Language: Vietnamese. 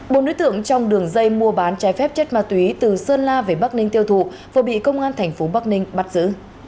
bộ nữ tưởng trong đường dây mua bán trái phép chất ma túy từ sơn la về bắc ninh tiêu thụ vừa bị công an tp bắc ninh bắt giữ